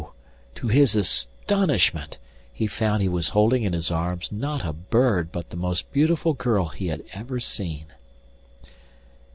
to his astonishment he found he was holding in his arms not a bird but the most beautiful girl he had ever seen.